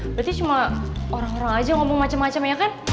berarti cuma orang orang aja ngomong macam macam ya kan